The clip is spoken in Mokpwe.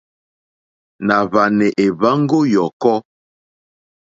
Nà hwànè èhwambo yɔ̀kɔ.